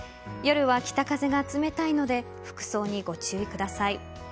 夜は北風が冷たいので服装にご注意ください。